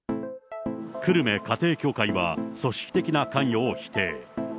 久留米家庭教会は組織的な関与を否定。